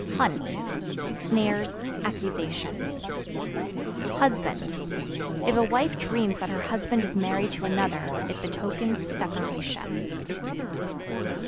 Hunt Snares, accusations. Husband If a wife dreams that her husband is married to another it betokens separation.